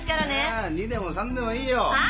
ああ２でも３でもいいよ。はあ？